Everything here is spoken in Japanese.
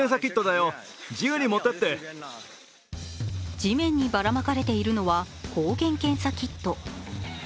地面にばらまかれているのは抗原検査キット。